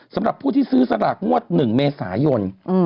สำหรับผู้ที่ซื้อสลากงวด๑เมษายน